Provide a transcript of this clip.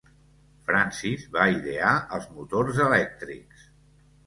Francis va idear els motors elèctrics.